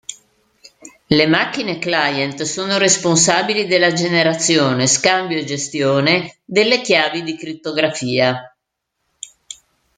Le macchine client sono responsabili della generazione, scambio e gestione delle chiavi di crittografia.